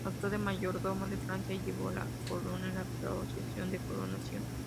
Actuó de mayordomo de Francia y llevó la corona en la procesión de coronación.